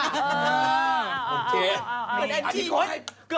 เกือบลืมเขาฝากไว้ให้พิธีกรด้วยนะคะ